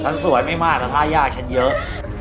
สวยไม่มากแต่ท่ายากฉันเยอะ